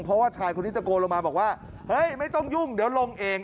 เพราะว่าชายคนนี้ตะโกนลงมาบอกว่าเฮ้ยไม่ต้องยุ่งเดี๋ยวลงเอง